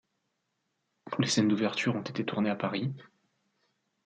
Les scènes d'ouverture ont été tournées à Paris.